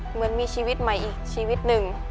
เหมือนมีชีวิตใหม่อีกชีวิตหนึ่ง